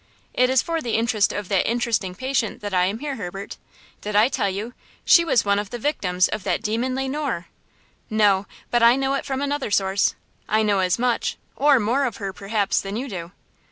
"It is for the interest of that 'interesting patient' that I am here, Herbert! Did I tell you, she was one of the victims of that demon Le Noir?" "No: but I know it from another source. I know as much, or more of her, perhaps than you do!"